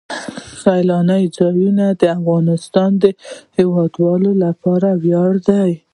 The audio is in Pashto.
سیلانی ځایونه د افغانستان د هیوادوالو لپاره ویاړ دی.